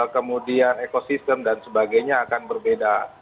kemudian ekosistem dan sebagainya akan berbeda